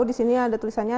di sini ada tulisannya